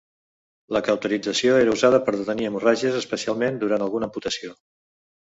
La cauterització era usada per detenir hemorràgies, especialment durant alguna amputació.